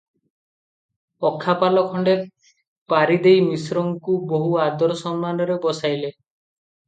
ଅଖାପାଲ ଖଣ୍ଡେ ପାରି ଦେଇ ମିଶ୍ରଙ୍କୁ ବହୁ ଆଦର ସମ୍ମାନରେ ବସାଇଲେ ।